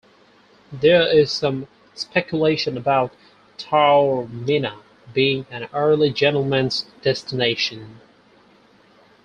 There is some speculation about Taormina being an early gentlemen's destination.